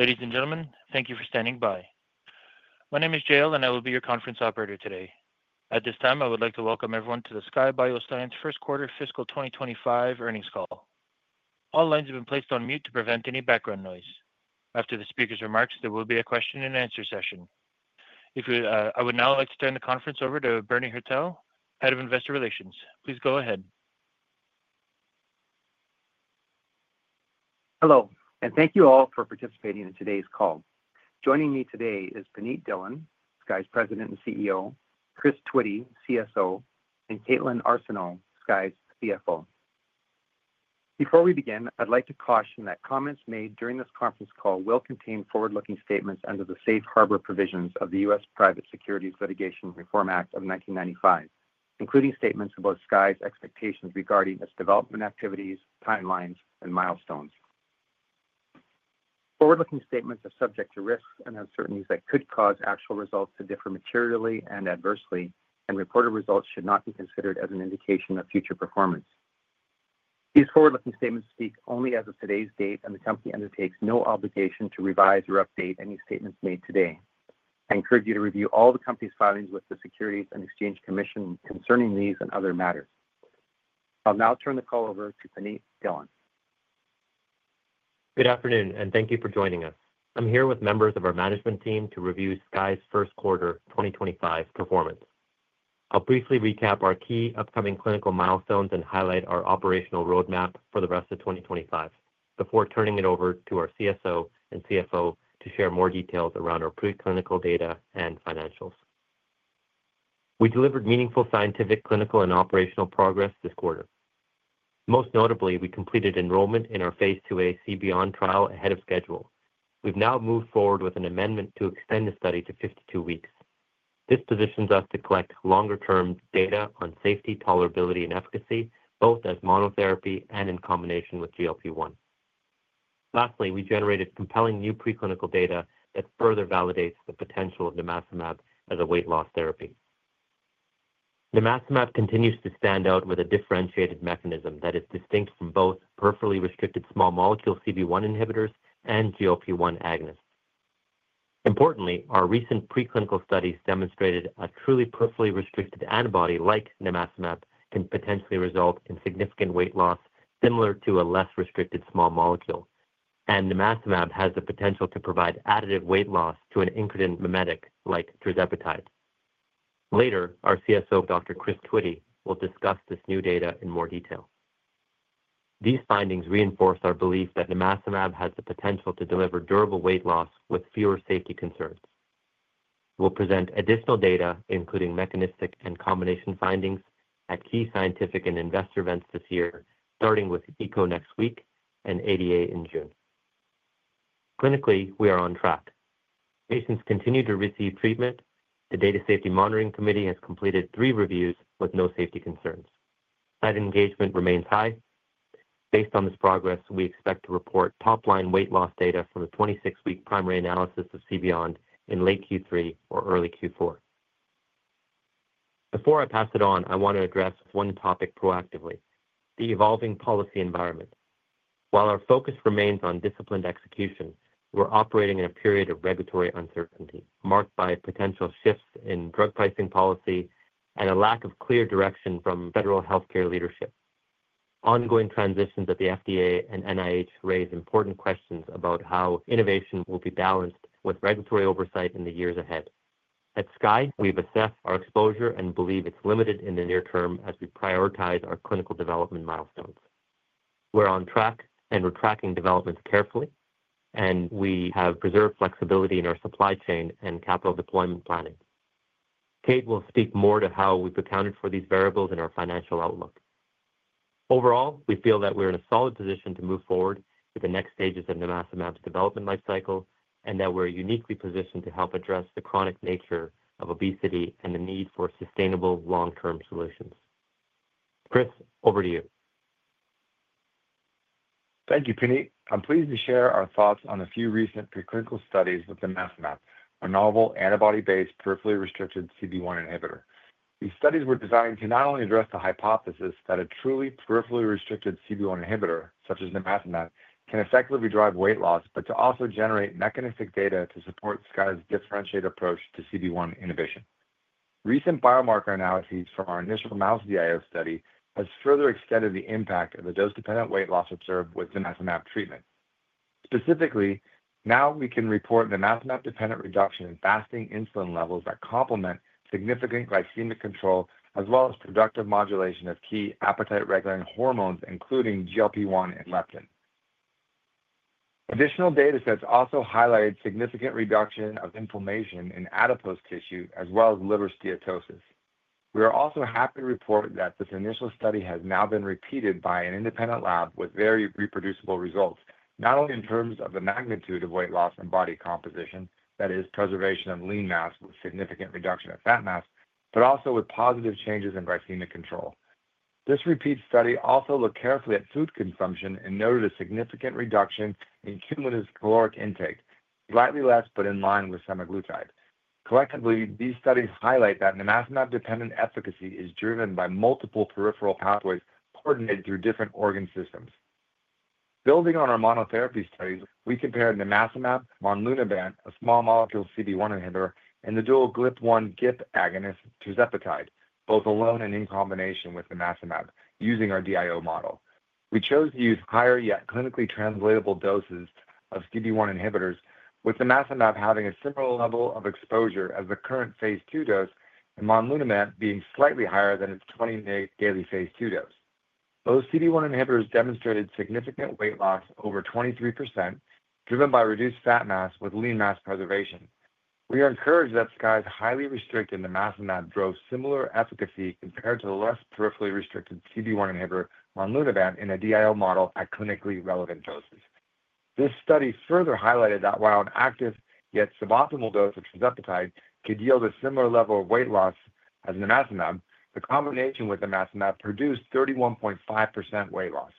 Ladies and gentlemen, thank you for standing by. My name is Jale, and I will be your conference operator today. At this time, I would like to welcome everyone to the Skye Bioscience first quarter fiscal 2025 earnings call. All lines have been placed on mute to prevent any background noise. After the speaker's remarks, there will be a question and answer session. I would now like to turn the conference over to Bernie Hertel, Head of Investor Relations. Please go ahead. Hello, and thank you all for participating in today's call. Joining me today is Punit Dhillon, Skye's President and CEO, Chris Twitty, CSO, and Kaitlyn Arsenault, Skye's CFO. Before we begin, I'd like to caution that comments made during this conference call will contain forward-looking statements under the Safe Harbor Provisions of the U.S. Private Securities Litigation Reform Act of 1995, including statements about Skye's expectations regarding its development activities, timelines, and milestones. Forward-looking statements are subject to risks and uncertainties that could cause actual results to differ materially and adversely, and reported results should not be considered as an indication of future performance. These forward-looking statements speak only as of today's date, and the company undertakes no obligation to revise or update any statements made today. I encourage you to review all the company's filings with the Securities and Exchange Commission concerning these and other matters. I'll now turn the call over to Punit Dhillon. Good afternoon, and thank you for joining us. I'm here with members of our management team to review Skye's first quarter 2025 performance. I'll briefly recap our key upcoming clinical milestones and highlight our operational roadmap for the rest of 2025 before turning it over to our CSO and CFO to share more details around our preclinical data and financials. We delivered meaningful scientific, clinical, and operational progress this quarter. Most notably, we completed enrollment in our phase IIA CBION trial ahead of schedule. We've now moved forward with an amendment to extend the study to 52 weeks. This positions us to collect longer-term data on safety, tolerability, and efficacy, both as monotherapy and in combination with GLP-1. Lastly, we generated compelling new preclinical data that further validates the potential of nimacimab as a weight loss therapy. Nimacimab continues to stand out with a differentiated mechanism that is distinct from both peripherally restricted small molecule CB1R inhibitors and GLP-1 agonists. Importantly, our recent preclinical studies demonstrated a truly peripherally restricted antibody like nimacimab can potentially result in significant weight loss similar to a less restricted small molecule, and nimacimab has the potential to provide additive weight loss to an incremental memetic like tirzepatide. Later, our CSO, Dr. Chris Twitty, will discuss this new data in more detail. These findings reinforce our belief that nimacimab has the potential to deliver durable weight loss with fewer safety concerns. We'll present additional data, including mechanistic and combination findings, at key scientific and investor events this year, starting with ECHO next week and ADA in June. Clinically, we are on track. Patients continue to receive treatment. The Data Safety Monitoring Committee has completed three reviews with no safety concerns. Site engagement remains high. Based on this progress, we expect to report top-line weight loss data from the 26-week primary analysis of CBION in late Q3 or early Q4. Before I pass it on, I want to address one topic proactively: the evolving policy environment. While our focus remains on disciplined execution, we're operating in a period of regulatory uncertainty marked by potential shifts in drug pricing policy and a lack of clear direction from federal healthcare leadership. Ongoing transitions at the FDA and NIH raise important questions about how innovation will be balanced with regulatory oversight in the years ahead. At Skye, we've assessed our exposure and believe it's limited in the near term as we prioritize our clinical development milestones. We're on track, and we're tracking developments carefully, and we have preserved flexibility in our supply chain and capital deployment planning. Kait will speak more to how we've accounted for these variables in our financial outlook. Overall, we feel that we're in a solid position to move forward with the next stages of nimacimab's development life cycle and that we're uniquely positioned to help address the chronic nature of obesity and the need for sustainable long-term solutions. Chris, over to you. Thank you, Punit. I'm pleased to share our thoughts on a few recent preclinical studies with nimacimab, our novel antibody-based peripherally restricted CB1R inhibitor. These studies were designed to not only address the hypothesis that a truly peripherally restricted CB1R inhibitor, such as nimacimab, can effectively drive weight loss, but to also generate mechanistic data to support Skye's differentiated approach to CB1R inhibition. Recent biomarker analyses from our initial mouse DIO study have further extended the impact of the dose-dependent weight loss observed with nimacimab treatment. Specifically, now we can report nimacimab-dependent reduction in fasting insulin levels that complement significant glycemic control as well as productive modulation of key appetite-regulating hormones, including GLP-1 and leptin. Additional datasets also highlighted significant reduction of inflammation in adipose tissue as well as liver steatosis. We are also happy to report that this initial study has now been repeated by an independent lab with very reproducible results, not only in terms of the magnitude of weight loss and body composition—that is, preservation of lean mass with significant reduction of fat mass—but also with positive changes in glycemic control. This repeat study also looked carefully at food consumption and noted a significant reduction in cumulative caloric intake, slightly less but in line with semaglutide. Collectively, these studies highlight that nimacimab-dependent efficacy is driven by multiple peripheral pathways coordinated through different organ systems. Building on our monotherapy studies, we compared nimacimab, monlunaban, a small molecule CB1R inhibitor, and the dual GLP-1 GIP agonist tirzepatide, both alone and in combination with nimacimab, using our DIO model. We chose to use higher yet clinically translatable doses of CB1R inhibitors, with nimacimab having a similar level of exposure as the current phase II dose and monlunaban being slightly higher than its 20-day daily phase II dose. Both CB1R inhibitors demonstrated significant weight loss over 23%, driven by reduced fat mass with lean mass preservation. We are encouraged that Skye's highly restricted nimacimab drove similar efficacy compared to the less peripherally restricted CB1R inhibitor monlunaban in a DIO model at clinically relevant doses. This study further highlighted that while an active yet suboptimal dose of tirzepatide could yield a similar level of weight loss as nimacimab, the combination with nimacimab produced 31.5% weight loss.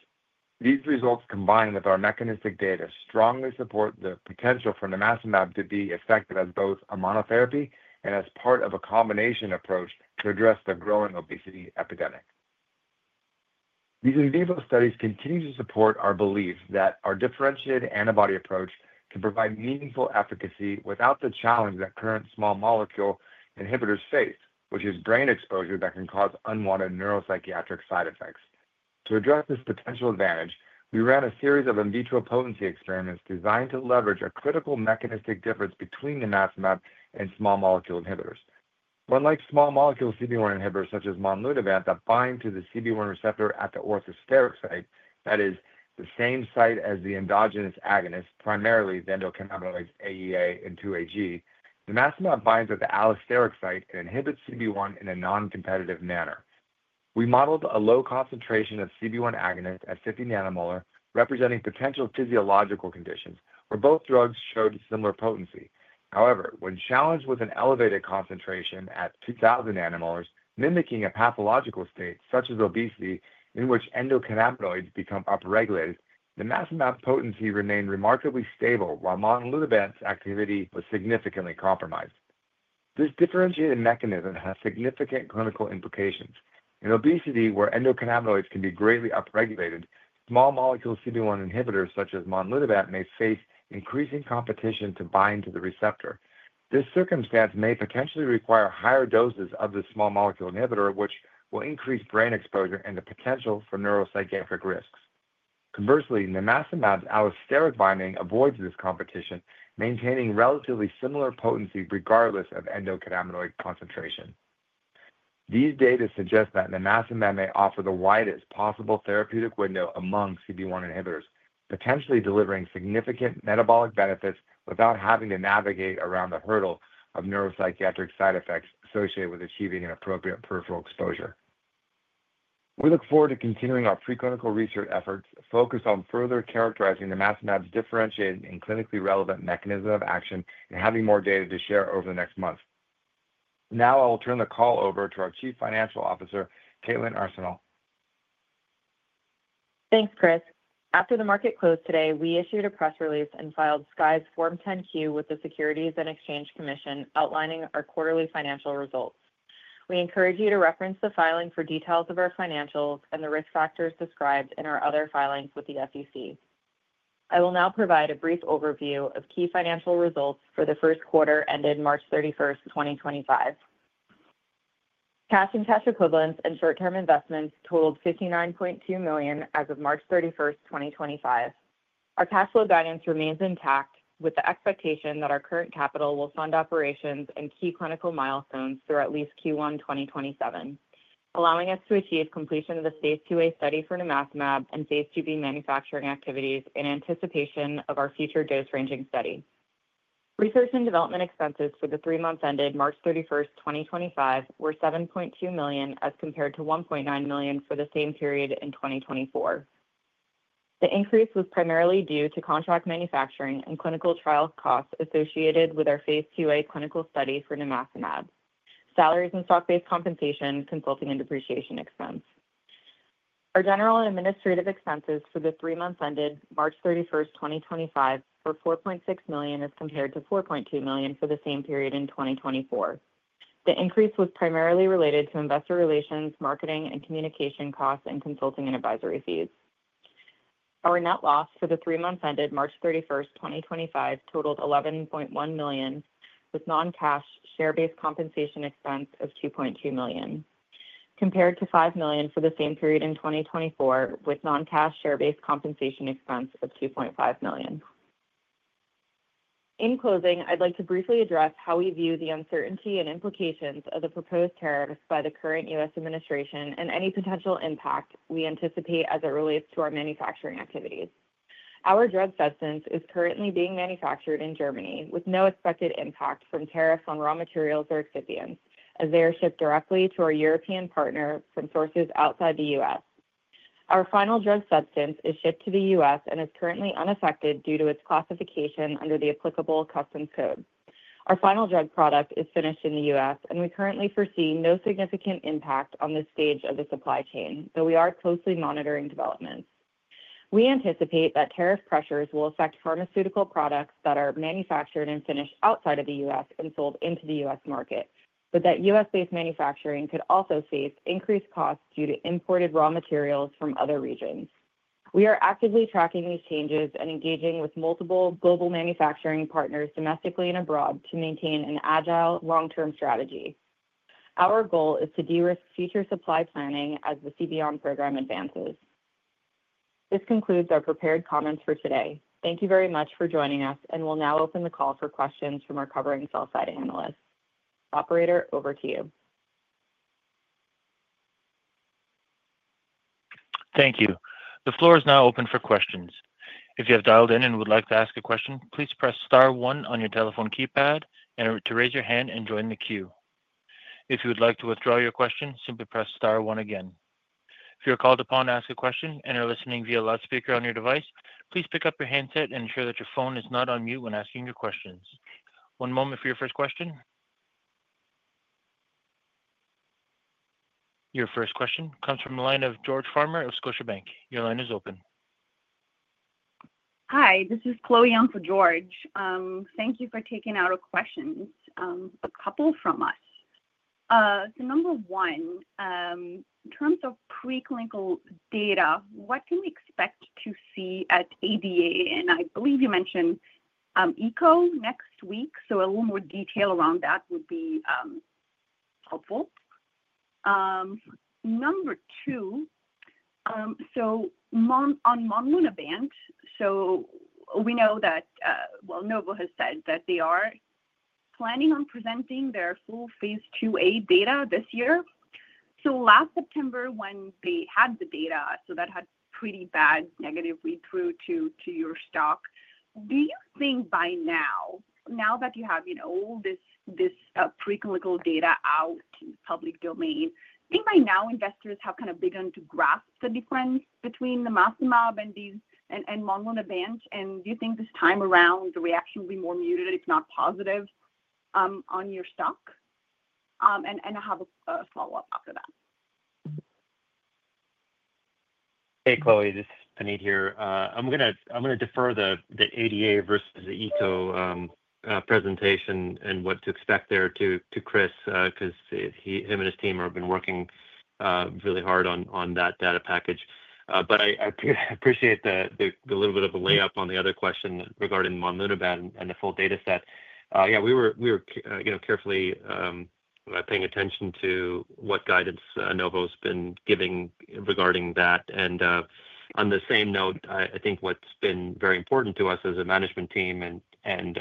These results, combined with our mechanistic data, strongly support the potential for nimacimab to be effective as both a monotherapy and as part of a combination approach to address the growing obesity epidemic. These in vivo studies continue to support our belief that our differentiated antibody approach can provide meaningful efficacy without the challenge that current small molecule inhibitors face, which is brain exposure that can cause unwanted neuropsychiatric side effects. To address this potential advantage, we ran a series of in vitro potency experiments designed to leverage a critical mechanistic difference between nimacimab and small molecule inhibitors. Unlike small molecule CB1R inhibitors such as monlunaban that bind to the CB1R receptor at the orthosteric site—that is, the same site as the endogenous agonist, primarily the endocannabinoids AEA and 2-AG—nimacimab binds at the allosteric site and inhibits CB1R in a non-competitive manner. We modeled a low concentration of CB1R agonist at 50 nmol representing potential physiological conditions, where both drugs showed similar potency. However, when challenged with an elevated concentration at 2,000 nmol, mimicking a pathological state such as obesity in which endocannabinoids become upregulated, nimacimab potency remained remarkably stable while monlunaban's activity was significantly compromised. This differentiated mechanism has significant clinical implications. In obesity, where endocannabinoids can be greatly upregulated, small molecule CB1R inhibitors such as monlunaban may face increasing competition to bind to the receptor. This circumstance may potentially require higher doses of the small molecule inhibitor, which will increase brain exposure and the potential for neuropsychiatric risks. Conversely, nimacimab's allosteric binding avoids this competition, maintaining relatively similar potency regardless of endocannabinoid concentration. These data suggest that nimacimab may offer the widest possible therapeutic window among CB1R inhibitors, potentially delivering significant metabolic benefits without having to navigate around the hurdle of neuropsychiatric side effects associated with achieving an appropriate peripheral exposure. We look forward to continuing our preclinical research efforts focused on further characterizing nimacimab's differentiated and clinically relevant mechanism of action and having more data to share over the next month. Now, I will turn the call over to our Chief Financial Officer, Kaitlyn Arsenault. Thanks, Chris. After the market closed today, we issued a press release and filed Skye's Form 10-Q with the Securities and Exchange Commission, outlining our quarterly financial results. We encourage you to reference the filing for details of our financials and the risk factors described in our other filings with the SEC. I will now provide a brief overview of key financial results for the first quarter ended March 31, 2025. Cash and cash equivalents and short-term investments totaled $59.2 million as of March 31, 2025. Our cash flow guidance remains intact, with the expectation that our current capital will fund operations and key clinical milestones through at least Q1 2027, allowing us to achieve completion of the phase IIA study for nimacimab and phase IIB manufacturing activities in anticipation of our future dose-ranging study. Research and development expenses for the three months ended March 31, 2025, were $7.2 million as compared to $1.9 million for the same period in 2024. The increase was primarily due to contract manufacturing and clinical trial costs associated with our phase IIA clinical study for nimacimab, salaries and stock-based compensation, consulting, and depreciation expense. Our general and administrative expenses for the three months ended March 31, 2025, were $4.6 million as compared to $4.2 million for the same period in 2024. The increase was primarily related to investor relations, marketing, and communication costs and consulting and advisory fees. Our net loss for the three months ended March 31, 2025, totaled $11.1 million, with non-cash share-based compensation expense of $2.2 million, compared to $5 million for the same period in 2024, with non-cash share-based compensation expense of $2.5 million. In closing, I'd like to briefly address how we view the uncertainty and implications of the proposed tariffs by the current U.S. administration and any potential impact we anticipate as it relates to our manufacturing activities. Our drug substance is currently being manufactured in Germany, with no expected impact from tariffs on raw materials or excipients, as they are shipped directly to our European partner from sources outside the U.S. Our final drug substance is shipped to the U.S. and is currently unaffected due to its classification under the applicable customs code. Our final drug product is finished in the U.S., and we currently foresee no significant impact on this stage of the supply chain, though we are closely monitoring developments. We anticipate that tariff pressures will affect pharmaceutical products that are manufactured and finished outside of the U.S. and sold into the U.S. market, but that U.S.-based manufacturing could also face increased costs due to imported raw materials from other regions. We are actively tracking these changes and engaging with multiple global manufacturing partners domestically and abroad to maintain an agile, long-term strategy. Our goal is to de-risk future supply planning as the CB1R program advances. This concludes our prepared comments for today. Thank you very much for joining us, and we'll now open the call for questions from our covering sell-side analyst. Operator, over to you. Thank you. The floor is now open for questions. If you have dialed in and would like to ask a question, please press Star 1 on your telephone keypad to raise your hand and join the queue. If you would like to withdraw your question, simply press Star 1 again. If you're called upon to ask a question and are listening via loudspeaker on your device, please pick up your handset and ensure that your phone is not on mute when asking your questions. One moment for your first question. Your first question comes from the line of George Farmer of Scotiabank. Your line is open. Hi, this is Chloe on for George. Thank you for taking our questions, a couple from us. Number one, in terms of preclinical data, what can we expect to see at ADA? I believe you mentioned ECHO next week, so a little more detail around that would be helpful. Number two, on monlunaban, we know that Novo has said that they are planning on presenting their full phase IIA data this year. Last September, when they had the data, that had pretty bad negative read-through to your stock. Do you think by now, now that you have all this preclinical data out in the public domain, investors have kind of begun to grasp the difference between nimacimab and monlunaban? Do you think this time around the reaction will be more muted, if not positive, on your stock? I have a follow-up after that. Hey, Chloe, this is Punit here. I'm going to defer the ADA versus the ECHO presentation and what to expect there to Chris, because him and his team have been working really hard on that data package. I appreciate the little bit of a layup on the other question regarding monlunaban and the full dataset. We were carefully paying attention to what guidance Novo has been giving regarding that. On the same note, I think what's been very important to us as a management team and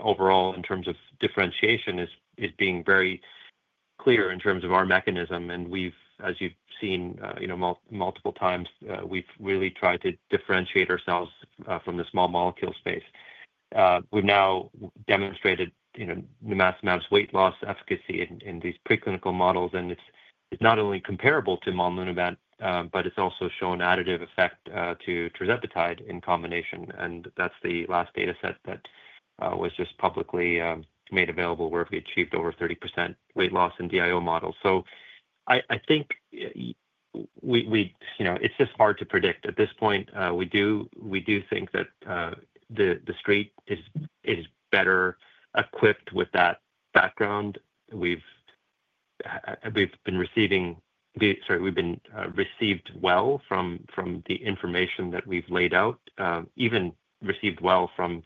overall in terms of differentiation is being very clear in terms of our mechanism. We've, as you've seen multiple times, really tried to differentiate ourselves from the small molecule space. We've now demonstrated nimacimab's weight loss efficacy in these preclinical models, and it's not only comparable to monlunaban, but it's also shown additive effect to tirzepatide in combination. That's the last dataset that was just publicly made available, where we achieved over 30% weight loss in DIO models. I think it's just hard to predict. At this point, we do think that the street is better equipped with that background. We've been received well from the information that we've laid out, even received well from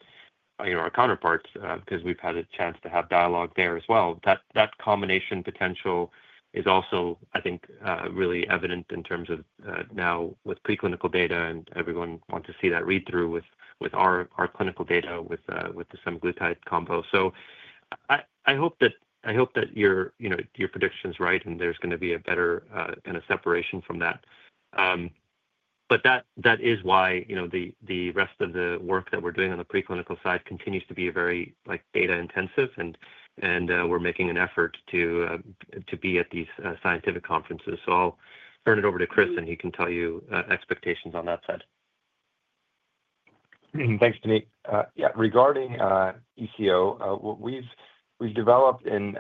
our counterparts because we've had a chance to have dialogue there as well. That combination potential is also, I think, really evident in terms of now with preclinical data, and everyone wants to see that read-through with our clinical data with the semaglutide combo. I hope that your prediction's right and there's going to be a better kind of separation from that. That is why the rest of the work that we're doing on the preclinical side continues to be very data-intensive, and we're making an effort to be at these scientific conferences. I'll turn it over to Chris, and he can tell you expectations on that side. Thanks, Punit. Yeah, regarding ECHO, we've developed and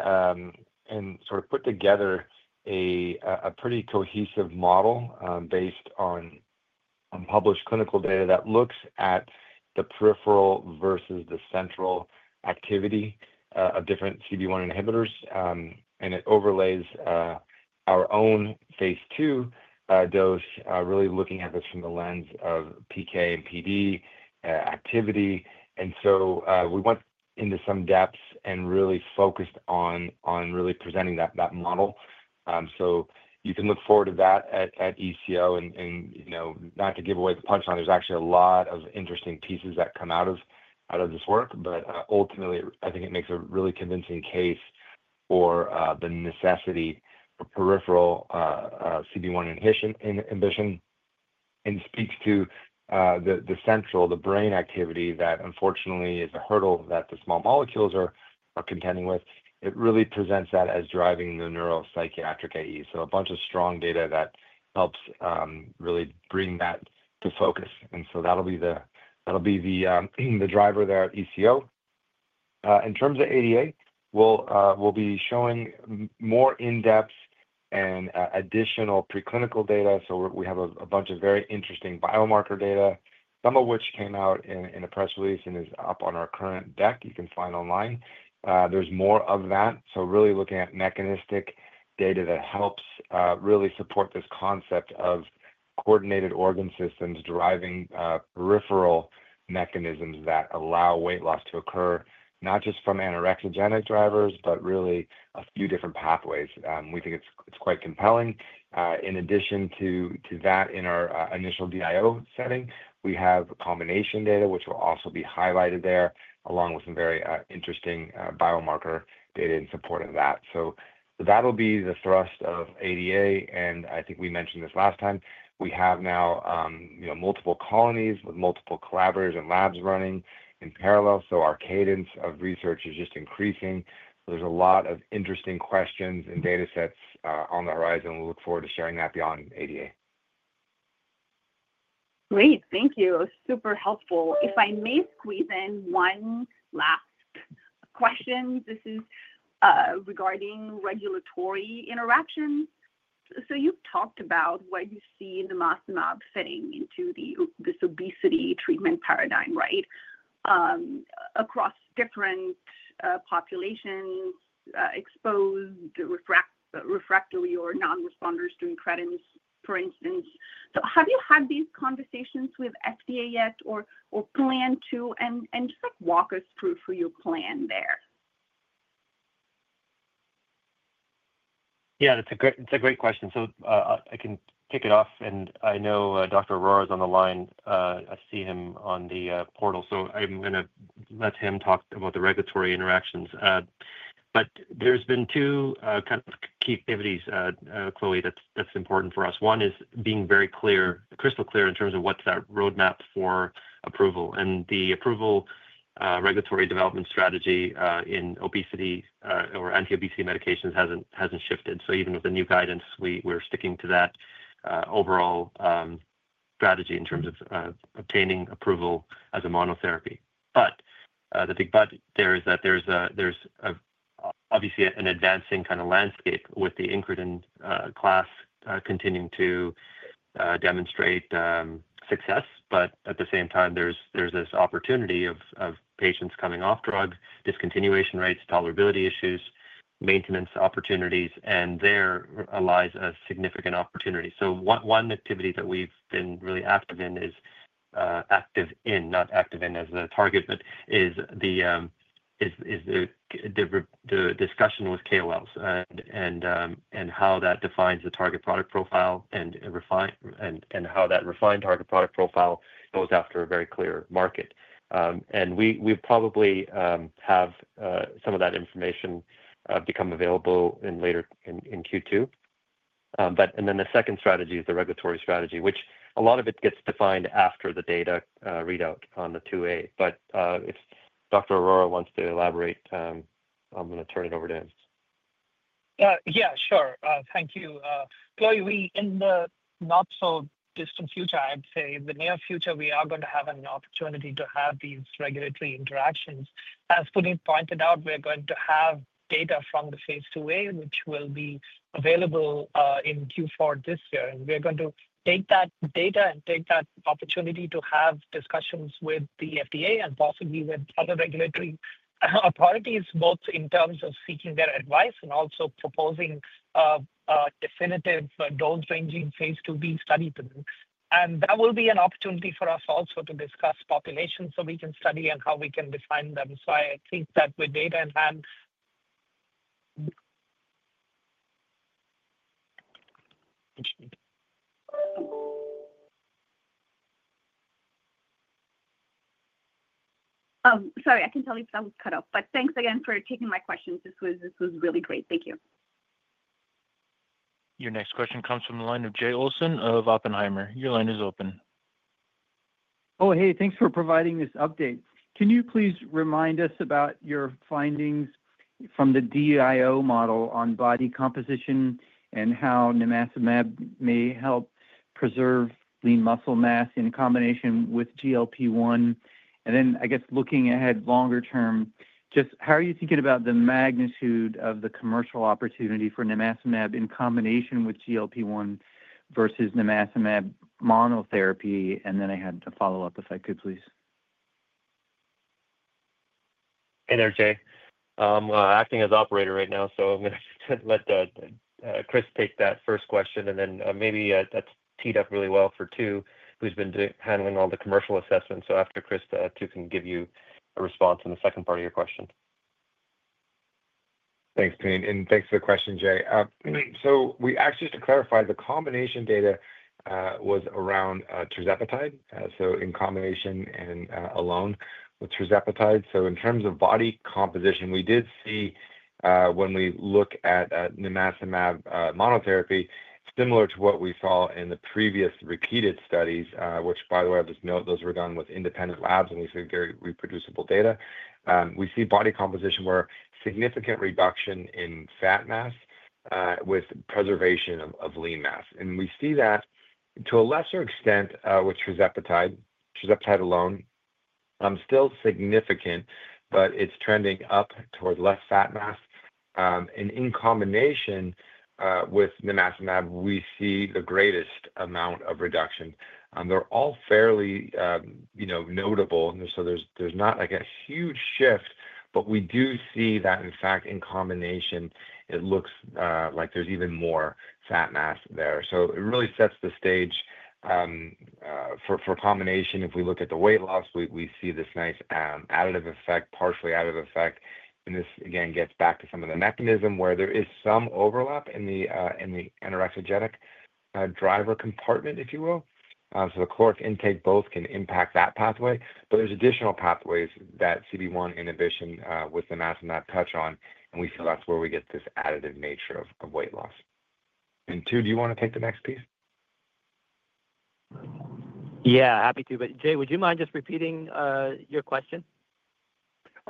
sort of put together a pretty cohesive model based on published clinical data that looks at the peripheral versus the central activity of different CB1R inhibitors. It overlays our own phase II dose, really looking at this from the lens of PK and PD activity. We went into some depth and really focused on really presenting that model. You can look forward to that at ECHO, and not to give away the punchline, there's actually a lot of interesting pieces that come out of this work. Ultimately, I think it makes a really convincing case for the necessity for peripheral CB1R inhibition and speaks to the central, the brain activity that unfortunately is a hurdle that the small molecules are contending with. It really presents that as driving the neuropsychiatric AE. A bunch of strong data that helps really bring that to focus. That will be the driver there at ECHO. In terms of ADA, we'll be showing more in-depth and additional preclinical data. We have a bunch of very interesting biomarker data, some of which came out in a press release and is up on our current deck you can find online. There is more of that. Really looking at mechanistic data that helps really support this concept of coordinated organ systems driving peripheral mechanisms that allow weight loss to occur, not just from anorexogenic drivers, but really a few different pathways. We think it's quite compelling. In addition to that, in our initial DIO setting, we have combination data, which will also be highlighted there, along with some very interesting biomarker data in support of that. That will be the thrust of ADA. I think we mentioned this last time. We have now multiple colonies with multiple collaborators and labs running in parallel. Our cadence of research is just increasing. There's a lot of interesting questions and datasets on the horizon. We look forward to sharing that beyond ADA. Great. Thank you. Super helpful. If I may squeeze in one last question, this is regarding regulatory interactions. You have talked about what you see in the nimacimab fitting into this obesity treatment paradigm, right, across different populations, exposed refractory or non-responders to incretins, for instance. Have you had these conversations with FDA yet or plan to? Just walk us through your plan there. Yeah, that's a great question. I can kick it off. I know Dr. Arora is on the line. I see him on the portal. I'm going to let him talk about the regulatory interactions. There's been two kind of key activities, Chloe, that's important for us. One is being very clear, crystal clear in terms of what's that roadmap for approval. The approval regulatory development strategy in obesity or anti-obesity medications hasn't shifted. Even with the new guidance, we're sticking to that overall strategy in terms of obtaining approval as a monotherapy. The big but there is that there's obviously an advancing kind of landscape with the incretin class continuing to demonstrate success. At the same time, there's this opportunity of patients coming off drug, discontinuation rates, tolerability issues, maintenance opportunities, and there lies a significant opportunity. One activity that we've been really active in is the discussion with KOLs and how that defines the target product profile and how that refined target product profile goes after a very clear market. We probably have some of that information become available later in Q2. The second strategy is the regulatory strategy, which a lot of it gets defined after the data readout on the 2A. If Dr. Arora wants to elaborate, I'm going to turn it over to him. Yeah, sure. Thank you. Chloe, in the not-so-distant future, I'd say in the near future, we are going to have an opportunity to have these regulatory interactions. As Punit pointed out, we're going to have data from the phase IIA, which will be available in Q4 this year. We're going to take that data and take that opportunity to have discussions with the FDA and possibly with other regulatory authorities, both in terms of seeking their advice and also proposing definitive dose-ranging phase IIB study to them. That will be an opportunity for us also to discuss populations we can study and how we can define them. I think that with data in hand. Sorry, I can tell you someone's cut off. Thanks again for taking my questions. This was really great. Thank you. Your next question comes from the line of Jay Olson of Oppenheimer. Your line is open. Oh, hey, thanks for providing this update. Can you please remind us about your findings from the DIO model on body composition and how nimacimab may help preserve lean muscle mass in combination with GLP-1? I guess, looking ahead longer term, just how are you thinking about the magnitude of the commercial opportunity for nimacimab in combination with GLP-1 versus nimacimab monotherapy? I had a follow-up, if I could, please. Hey there, Jay. I'm acting as operator right now, so I'm going to let Chris take that first question. Then maybe that's teed up really well for Tu, who's been handling all the commercial assessments. After Chris, Tu can give you a response in the second part of your question. Thanks, Punit. And thanks for the question, Jay. Actually, just to clarify, the combination data was around tirzepatide, so in combination and alone with tirzepatide. In terms of body composition, we did see when we look at nimacimab monotherapy, similar to what we saw in the previous repeated studies, which, by the way, I'll just note, those were done with independent labs and we see very reproducible data. We see body composition where significant reduction in fat mass with preservation of lean mass. We see that to a lesser extent with tirzepatide, tirzepatide alone, still significant, but it's trending up toward less fat mass. In combination with nimacimab, we see the greatest amount of reduction. They're all fairly notable. There's not a huge shift, but we do see that, in fact, in combination, it looks like there's even more fat mass there. It really sets the stage for combination. If we look at the weight loss, we see this nice additive effect, partially additive effect. This, again, gets back to some of the mechanism where there is some overlap in the anorexogenic driver compartment, if you will. The caloric intake both can impact that pathway. There are additional pathways that CB1R inhibition with nimacimab touch on. We feel that's where we get this additive nature of weight loss. And Tu, do you want to take the next piece? Yeah, happy to. Jay, would you mind just repeating your question?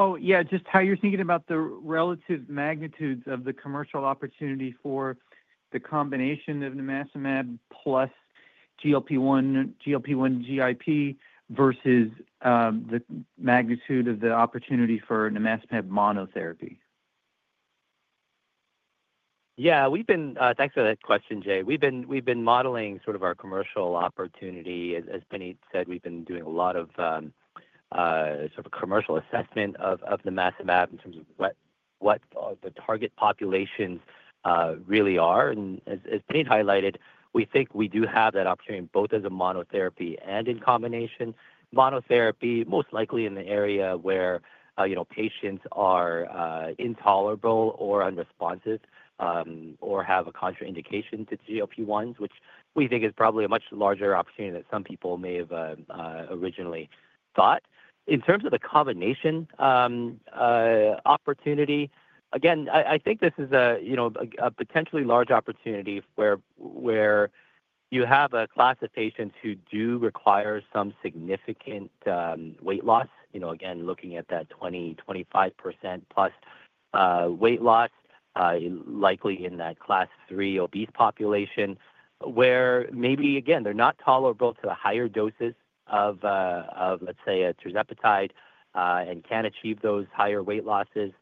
Oh, yeah, just how you're thinking about the relative magnitudes of the commercial opportunity for the combination of nimacimab plus GLP-1, GLP-1 GIP versus the magnitude of the opportunity for nimacimab monotherapy. Yeah, thanks for that question, Jay. We've been modeling sort of our commercial opportunity. As Punit said, we've been doing a lot of sort of commercial assessment of the nimacimab in terms of what the target populations really are. As Punit highlighted, we think we do have that opportunity both as a monotherapy and in combination monotherapy, most likely in the area where patients are intolerable or unresponsive or have a contraindication to GLP-1s, which we think is probably a much larger opportunity than some people may have originally thought. In terms of the combination opportunity, again, I think this is a potentially large opportunity where you have a class of patients who do require some significant weight loss. Again, looking at that 20%-25% plus weight loss, likely in that class three obese population, where maybe, again, they're not tolerable to the higher doses of, let's say, tirzepatide and can achieve those higher weight losses,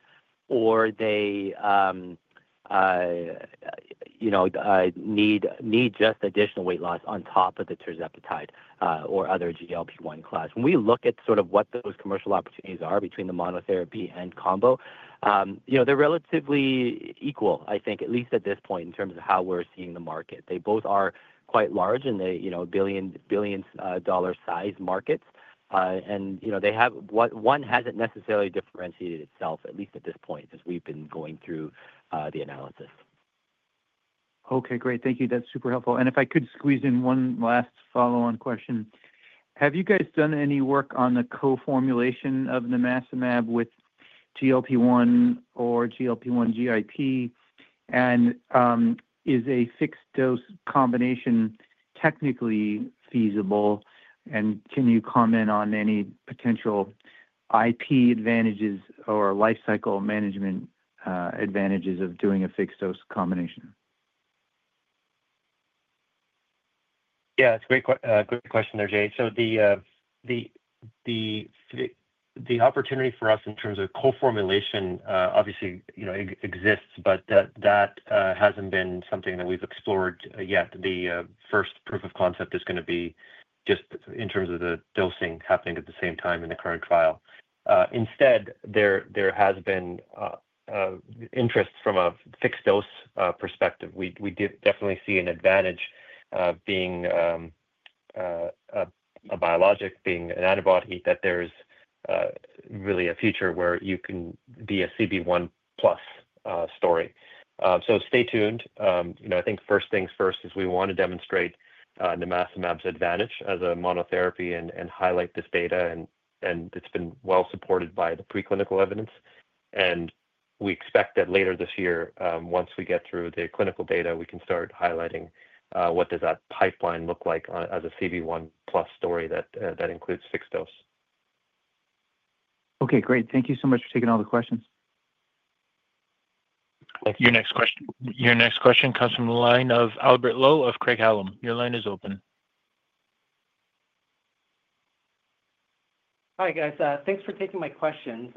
or they need just additional weight loss on top of the tirzepatide or other GLP-1 class. When we look at sort of what those commercial opportunities are between the monotherapy and combo, they're relatively equal, I think, at least at this point in terms of how we're seeing the market. They both are quite large and they are billion-dollar size markets. One hasn't necessarily differentiated itself, at least at this point, as we've been going through the analysis. Okay, great. Thank you. That's super helpful. If I could squeeze in one last follow-on question. Have you guys done any work on the co-formulation of nimacimab with GLP-1 or GLP-1 GIP? Is a fixed-dose combination technically feasible? Can you comment on any potential IP advantages or lifecycle management advantages of doing a fixed-dose combination? Yeah, that's a great question there, Jay. The opportunity for us in terms of co-formulation, obviously, exists, but that has not been something that we have explored yet. The first proof of concept is going to be just in terms of the dosing happening at the same time in the current trial. Instead, there has been interest from a fixed-dose perspective. We definitely see an advantage being a biologic, being an antibody, that there is really a future where you can be a CB1R plus story. Stay tuned. I think first things first is we want to demonstrate nimacimab's advantage as a monotherapy and highlight this data. It has been well supported by the preclinical evidence. We expect that later this year, once we get through the clinical data, we can start highlighting what that pipeline looks like as a CB1R plus story that includes fixed dose. Okay, great. Thank you so much for taking all the questions. Your next question comes from the line of Albert Lowe of Craig-Hallum. Your line is open. Hi, guys. Thanks for taking my questions.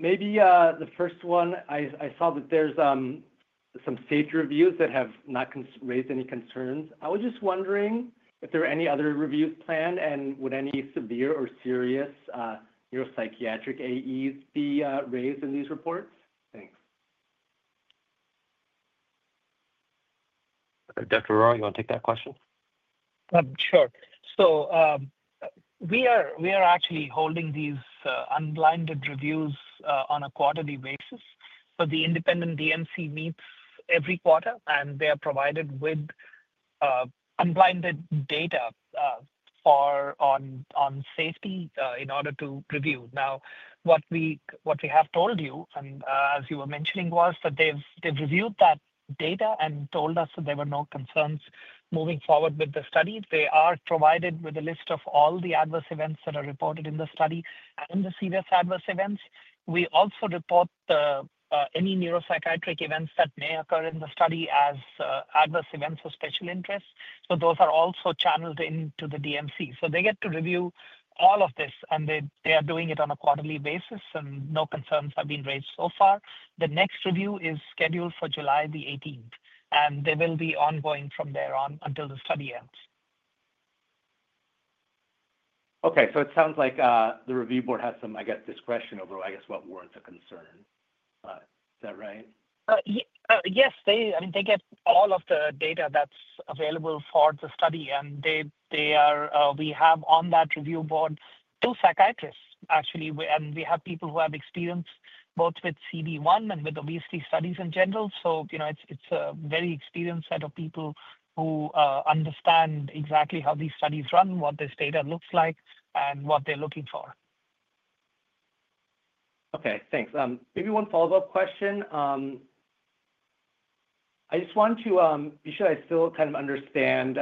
Maybe the first one, I saw that there's some stage reviews that have not raised any concerns. I was just wondering if there are any other reviews planned and would any severe or serious neuropsychiatric AEs be raised in these reports? Thanks. Dr. Arora, you want to take that question? Sure. We are actually holding these unblinded reviews on a quarterly basis. The independent DMC meets every quarter, and they are provided with unblinded data on safety in order to review. Now, what we have told you, and as you were mentioning, was that they've reviewed that data and told us that there were no concerns moving forward with the study. They are provided with a list of all the adverse events that are reported in the study and the serious adverse events. We also report any neuropsychiatric events that may occur in the study as adverse events of special interest. Those are also channeled into the DMC. They get to review all of this, and they are doing it on a quarterly basis, and no concerns have been raised so far. The next review is scheduled for July the 18th, and they will be ongoing from there on until the study ends. Okay. So it sounds like the review board has some, I guess, discretion over, I guess, what weren't a concern. Is that right? Yes. I mean, they get all of the data that's available for the study, and we have on that review board two psychiatrists, actually, and we have people who have experience both with CB1R and with obesity studies in general. So it's a very experienced set of people who understand exactly how these studies run, what this data looks like, and what they're looking for. Okay. Thanks. Maybe one follow-up question. I just want to be sure I still kind of understand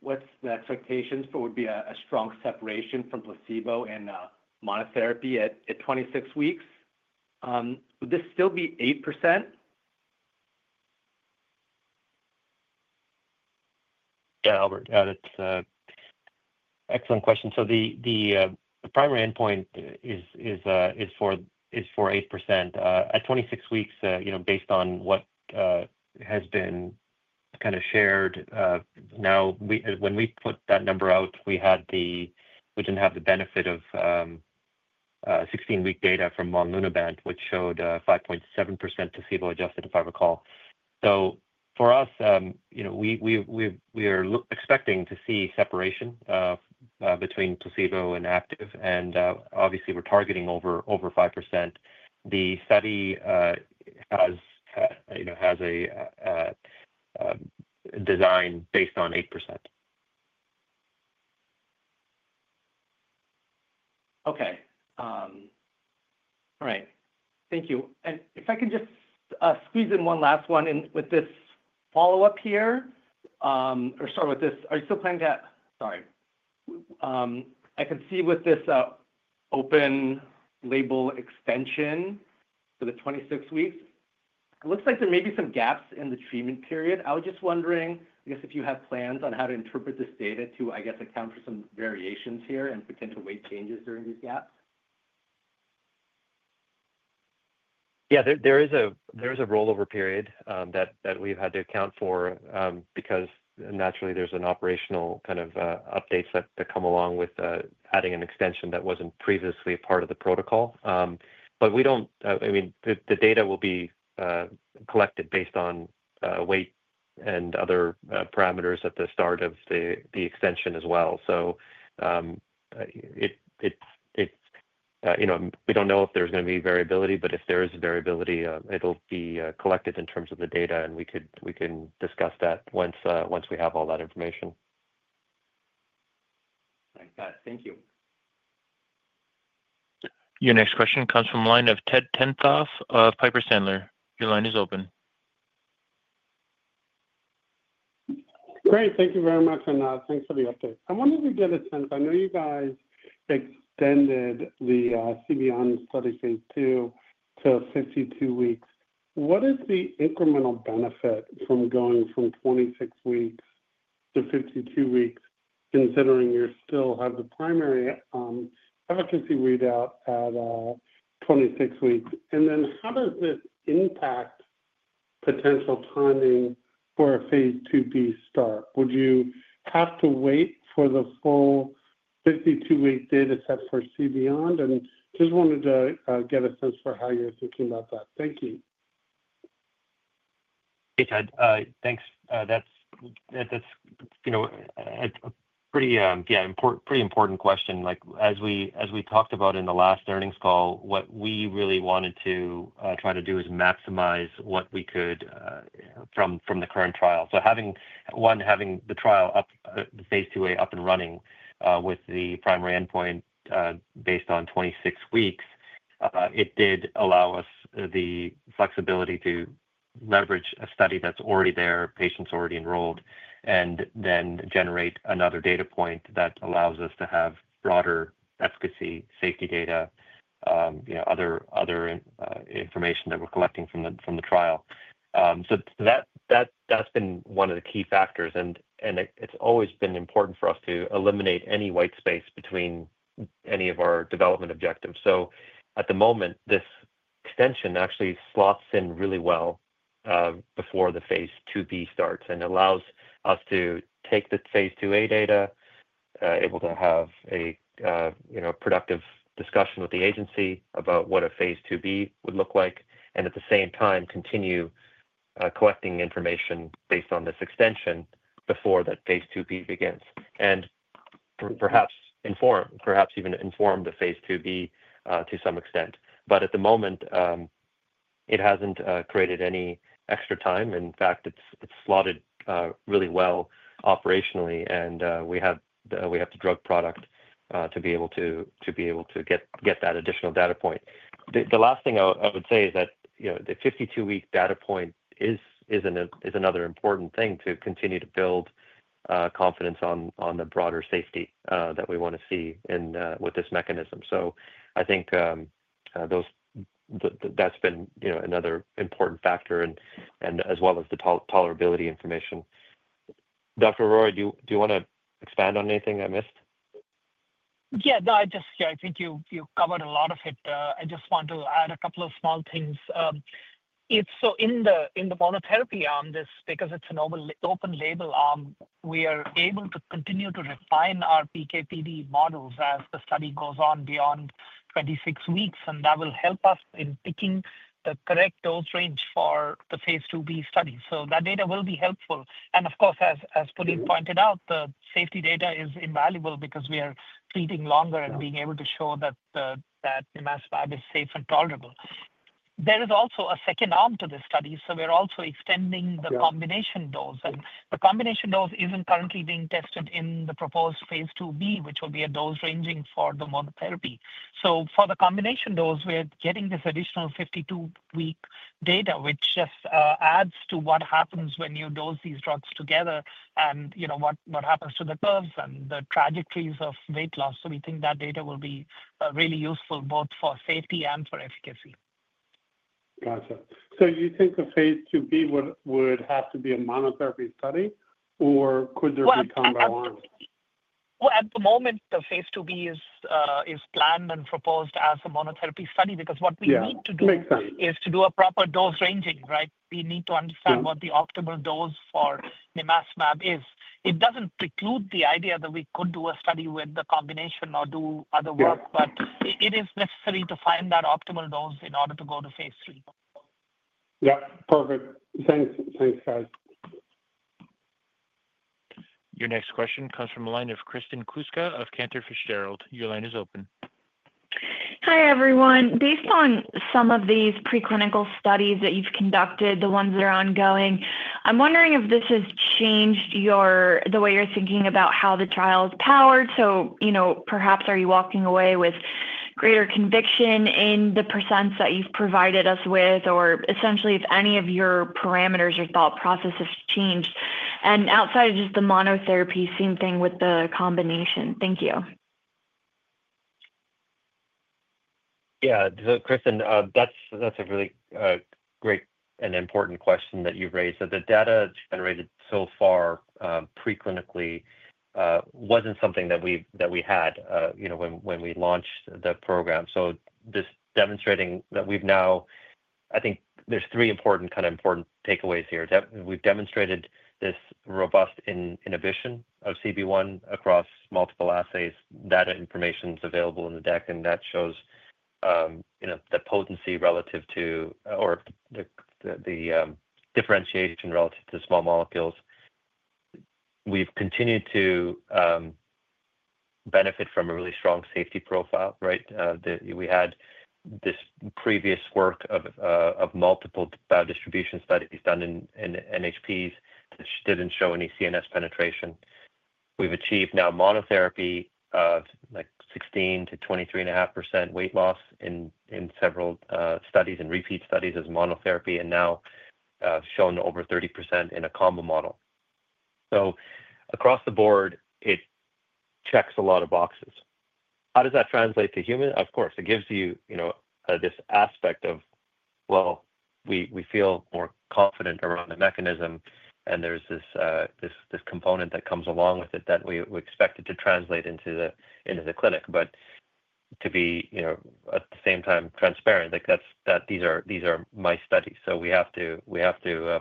what's the expectations for would be a strong separation from placebo and monotherapy at 26 weeks. Would this still be 8%? Yeah, Albert. Yeah, that's an excellent question. The primary endpoint is for 8% at 26 weeks, based on what has been kind of shared now. When we put that number out, we did not have the benefit of 16-week data from Monlunaban, which showed 5.7% placebo adjusted, if I recall. For us, we are expecting to see separation between placebo and active. Obviously, we're targeting over 5%. The study has a design based on 8%. Okay. All right. Thank you. If I can just squeeze in one last one with this follow-up here or start with this. Are you still planning to—sorry. I can see with this open label extension for the 26 weeks, it looks like there may be some gaps in the treatment period. I was just wondering, I guess, if you have plans on how to interpret this data to, I guess, account for some variations here and potential weight changes during these gaps. Yeah, there is a rollover period that we've had to account for because naturally, there's an operational kind of updates that come along with adding an extension that wasn't previously a part of the protocol. I mean, the data will be collected based on weight and other parameters at the start of the extension as well. We don't know if there's going to be variability, but if there is variability, it'll be collected in terms of the data, and we can discuss that once we have all that information. Thank you. Your next question comes from the line of Ted Tenthoff of Piper Sandler. Your line is open. Great. Thank you very much, and thanks for the update. I wanted to get a sense. I know you guys extended the CBION study phase II to 52 weeks. What is the incremental benefit from going from 26 weeks to 52 weeks, considering you still have the primary efficacy readout at 26 weeks? How does this impact potential timing for a phase IIB start? Would you have to wait for the full 52-week data set for CBION? I just wanted to get a sense for how you're thinking about that. Thank you. Hey, Ted. Thanks. That's a pretty important question. As we talked about in the last learnings call, what we really wanted to try to do is maximize what we could from the current trial. One, having the trial up, the phase IIA up and running with the primary endpoint based on 26 weeks, it did allow us the flexibility to leverage a study that's already there, patients already enrolled, and then generate another data point that allows us to have broader efficacy, safety data, other information that we're collecting from the trial. That's been one of the key factors. It's always been important for us to eliminate any white space between any of our development objectives. At the moment, this extension actually slots in really well before the phase IIB starts and allows us to take the phase IIA data, able to have a productive discussion with the agency about what a phase IIB would look like, and at the same time, continue collecting information based on this extension before that phase IIB begins and perhaps even inform the phase IIB to some extent. At the moment, it has not created any extra time. In fact, it is slotted really well operationally, and we have the drug product to be able to get that additional data point. The last thing I would say is that the 52-week data point is another important thing to continue to build confidence on the broader safety that we want to see with this mechanism. I think that's been another important factor, as well as the tolerability information. Dr. Arora, do you want to expand on anything I missed? Yeah. No, I just think you covered a lot of it. I just want to add a couple of small things. In the monotherapy arm, because it's an open label arm, we are able to continue to refine our PK/PD models as the study goes on beyond 26 weeks, and that will help us in picking the correct dose range for the phase IIB study. That data will be helpful. Of course, as Punit pointed out, the safety data is invaluable because we are treating longer and being able to show that nimacimab is safe and tolerable. There is also a second arm to this study. We are also extending the combination dose. The combination dose isn't currently being tested in the proposed phase IIIB, which will be a dose ranging for the monotherapy. For the combination dose, we're getting this additional 52-week data, which just adds to what happens when you dose these drugs together and what happens to the curves and the trajectories of weight loss. We think that data will be really useful both for safety and for efficacy. Gotcha. So you think the phase IIB would have to be a monotherapy study, or could there be combo arms? At the moment, the phase IIB is planned and proposed as a monotherapy study because what we need to do is to do a proper dose ranging, right? We need to understand what the optimal dose for nimacimab is. It does not preclude the idea that we could do a study with the combination or do other work, but it is necessary to find that optimal dose in order to go to phase II. Yep. Perfect. Thanks, guys. Your next question comes from the line of Kristen Kluska of Cantor Fitzgerald. Your line is open. Hi, everyone. Based on some of these preclinical studies that you've conducted, the ones that are ongoing, I'm wondering if this has changed the way you're thinking about how the trial is powered. Perhaps are you walking away with greater conviction in the % that you've provided us with, or essentially, if any of your parameters or thought process has changed? Outside of just the monotherapy, same thing with the combination. Thank you. Yeah. Kristen, that's a really great and important question that you've raised. The data generated so far preclinically wasn't something that we had when we launched the program. This demonstrates that we've now, I think there are three important takeaways here. We've demonstrated this robust inhibition of CB1R across multiple assays. That information is available in the deck, and that shows the potency relative to or the differentiation relative to small molecules. We've continued to benefit from a really strong safety profile, right? We had this previous work of multiple biodistribution studies done in NHPs that didn't show any CNS penetration. We've achieved now monotherapy of 16-23.5% weight loss in several studies and repeat studies as monotherapy and now shown over 30% in a combo model. Across the board, it checks a lot of boxes. How does that translate to human? Of course, it gives you this aspect of, well, we feel more confident around the mechanism, and there's this component that comes along with it that we expect it to translate into the clinic. To be at the same time transparent, these are my studies. We have to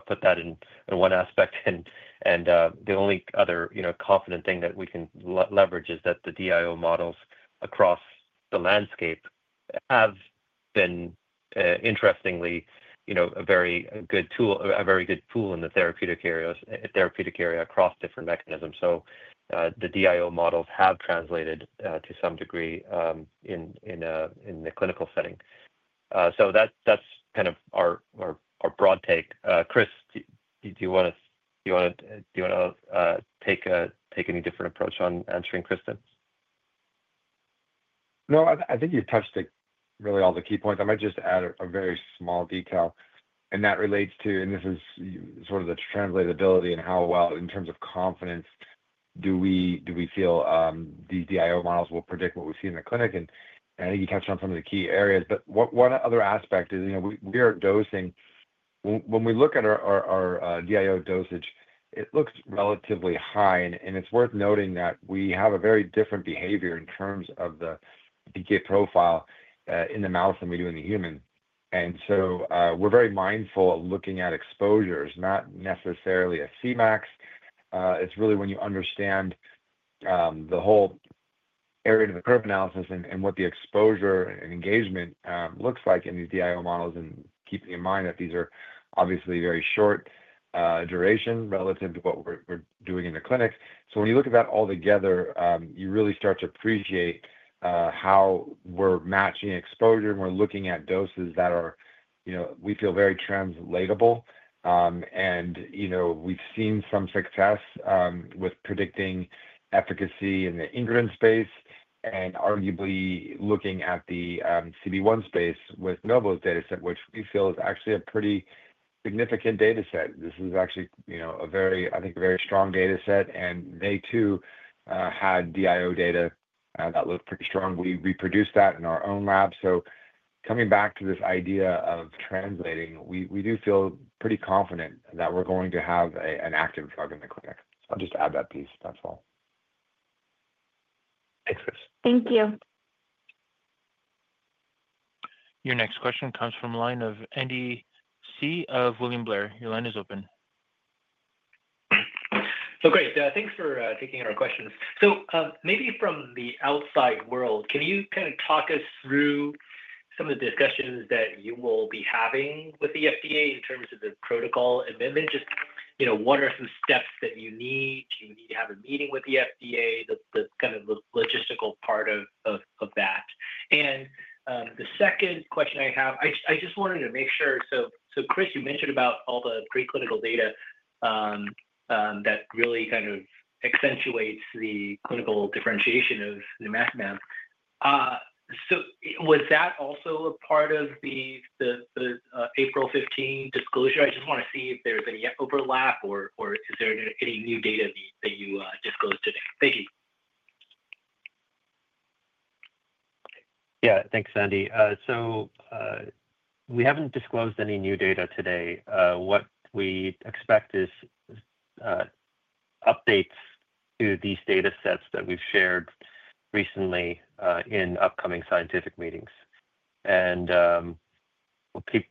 put that in one aspect. The only other confident thing that we can leverage is that the DIO models across the landscape have been, interestingly, a very good tool, a very good tool in the therapeutic area across different mechanisms. The DIO models have translated to some degree in the clinical setting. That's kind of our broad take. Chris, do you want to take any different approach on answering Kristen? No, I think you touched really all the key points. I might just add a very small detail, and that relates to, and this is sort of the translatability and how well, in terms of confidence, do we feel these DIO models will predict what we see in the clinic? I think you touched on some of the key areas. One other aspect is we are dosing. When we look at our DIO dosage, it looks relatively high, and it's worth noting that we have a very different behavior in terms of the PK profile in the mouse than we do in the human. We are very mindful of looking at exposures, not necessarily a Cmax. It's really when you understand the whole area of the curve analysis and what the exposure and engagement looks like in these DIO models and keeping in mind that these are obviously very short duration relative to what we're doing in the clinic. When you look at that all together, you really start to appreciate how we're matching exposure, and we're looking at doses that we feel very translatable. We've seen some success with predicting efficacy in the ingredient space and arguably looking at the CB1R space with Novo's data set, which we feel is actually a pretty significant data set. This is actually, I think, a very strong data set. They too had DIO data that looked pretty strong. We reproduced that in our own lab. Coming back to this idea of translating, we do feel pretty confident that we're going to have an active drug in the clinic. I'll just add that piece. That's all. Thanks, Chris. Thank you. Your next question comes from the line of Andy Hsieh of William Blair. Your line is open. Great. Thanks for taking our questions. Maybe from the outside world, can you kind of talk us through some of the discussions that you will be having with the FDA in terms of the protocol amendment? Just what are some steps that you need? Do you need to have a meeting with the FDA, the kind of logistical part of that? The second question I have, I just wanted to make sure. Chris, you mentioned about all the preclinical data that really kind of accentuates the clinical differentiation of nimacimab. Was that also a part of the April 15 disclosure? I just want to see if there's any overlap, or is there any new data that you disclosed today? Thank you. Yeah. Thanks, Andy. We haven't disclosed any new data today. What we expect is updates to these data sets that we've shared recently in upcoming scientific meetings. We'll keep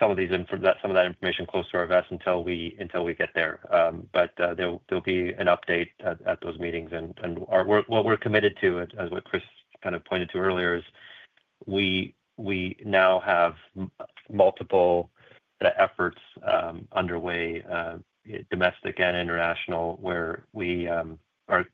some of that information close to our vest until we get there. There'll be an update at those meetings. What we're committed to, as what Chris kind of pointed to earlier, is we now have multiple efforts underway, domestic and international, where we are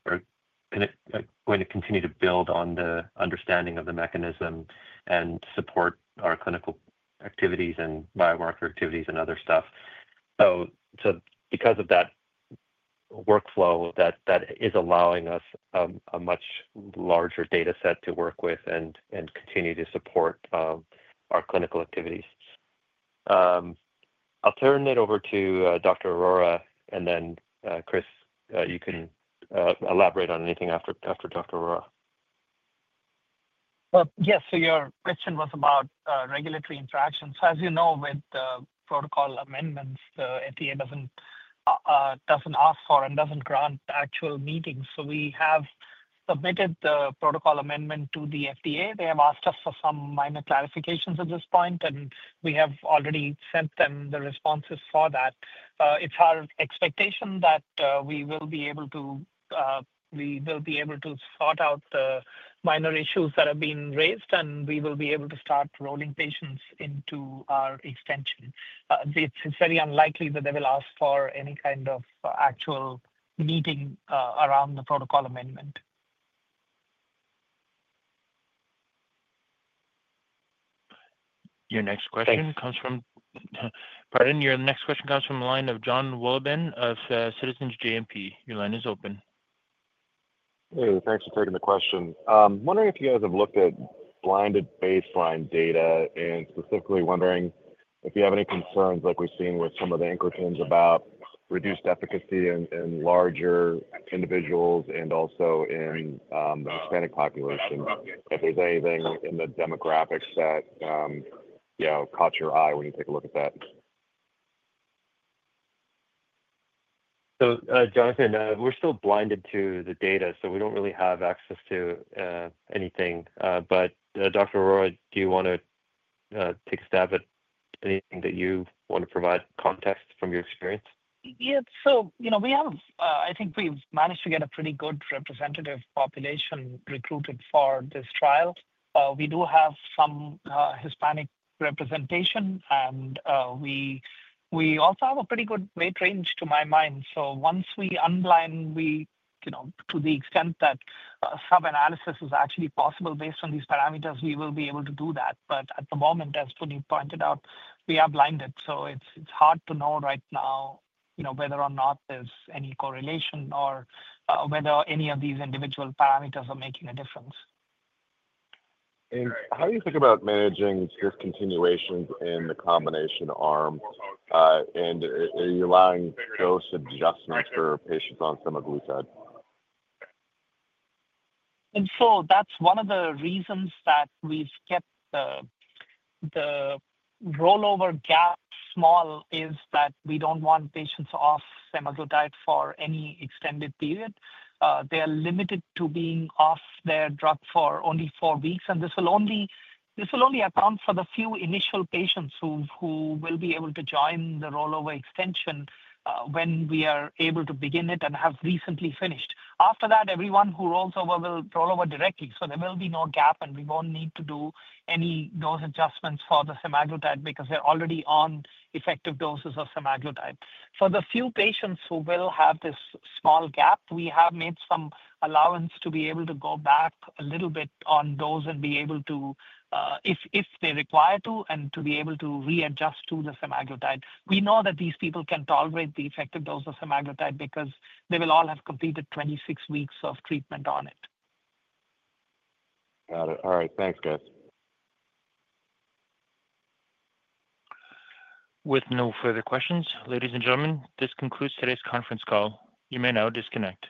going to continue to build on the understanding of the mechanism and support our clinical activities and biomarker activities and other stuff. Because of that workflow, that is allowing us a much larger data set to work with and continue to support our clinical activities. I'll turn it over to Dr. Arora, and then Chris, you can elaborate on anything after Dr. Arora. Yes. Your question was about regulatory infractions. As you know, with the protocol amendments, the FDA does not ask for and does not grant actual meetings. We have submitted the protocol amendment to the FDA. They have asked us for some minor clarifications at this point, and we have already sent them the responses for that. It is our expectation that we will be able to sort out the minor issues that have been raised, and we will be able to start rolling patients into our extension. It is very unlikely that they will ask for any kind of actual meeting around the protocol amendment. Your next question comes from the line of Jon Willoben of Citizens JMP. Your line is open. Hey, thanks for taking the question. I'm wondering if you guys have looked at blinded baseline data and specifically wondering if you have any concerns like we've seen with some of the anchor teams about reduced efficacy in larger individuals and also in the Hispanic population, if there's anything in the demographics that caught your eye when you take a look at that. Jonathan, we're still blinded to the data, so we don't really have access to anything. Dr. Arora, do you want to take a stab at anything that you want to provide context from your experience? Yeah. So we have, I think we've managed to get a pretty good representative population recruited for this trial. We do have some Hispanic representation, and we also have a pretty good weight range to my mind. Once we unblind, to the extent that some analysis is actually possible based on these parameters, we will be able to do that. At the moment, as Punit pointed out, we are blinded. It's hard to know right now whether or not there's any correlation or whether any of these individual parameters are making a difference. How do you think about managing discontinuations in the combination arm? Are you allowing dose adjustments for patients on semaglutide? That is one of the reasons that we've kept the rollover gap small, as we do not want patients off semaglutide for any extended period. They are limited to being off their drug for only four weeks. This will only account for the few initial patients who will be able to join the rollover extension when we are able to begin it and have recently finished. After that, everyone who rolls over will rollover directly. There will be no gap, and we will not need to do any dose adjustments for the semaglutide because they are already on effective doses of semaglutide. For the few patients who will have this small gap, we have made some allowance to be able to go back a little bit on dose and be able to, if they require to, readjust to the semaglutide. We know that these people can tolerate the effective dose of semaglutide because they will all have completed 26 weeks of treatment on it. Got it. All right. Thanks, guys. With no further questions, ladies and gentlemen, this concludes today's conference call. You may now disconnect.